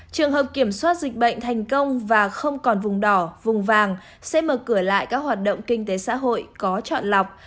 trường hợp kiểm soát dịch bệnh thành công và không còn vùng đỏ vùng vàng sẽ mở cửa lại các hoạt động kinh tế xã hội có chọn lọc